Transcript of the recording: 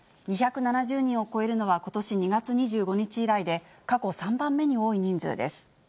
２７０人を超えるのは、ことし２月２５日以来で、過去３番目に多い人数です。